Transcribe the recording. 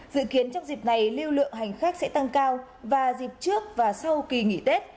dự kiến trong dịp này lưu lượng hành khách sẽ tăng cao và dịp trước và sau kỳ nghỉ tết